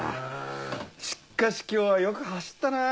しかし今日はよく走ったなぁ。